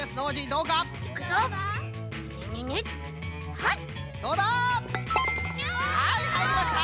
はいはいりました！